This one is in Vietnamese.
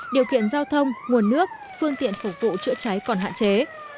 điều kiện giao thông nguồn nước phương tiện phục vụ chữa cháy còn hạn chế